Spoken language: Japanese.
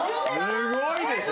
すごいでしょ？